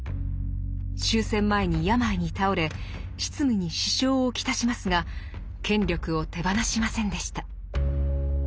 終戦前に病に倒れ執務に支障を来しますが権力を手放しませんでした。